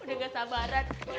udah gak sabaran